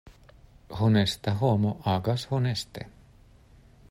Honesta homo agas honeste.